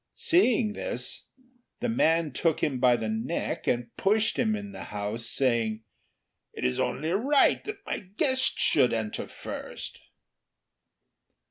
Seeing this the man took him by the neck and pushed him in the house, saying, "It is only right that my guest should enter first."